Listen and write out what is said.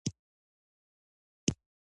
ګډین تر زنګانه پورې وي.